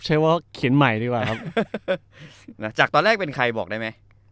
ใช้ว่าเขียนใหม่ดีกว่าครับจากตอนแรกเป็นใครบอกได้ไหม